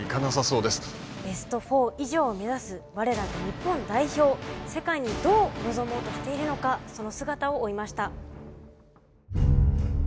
ベスト４以上を目指す我らが日本代表世界にどう臨もうとしているのかその姿を追いました。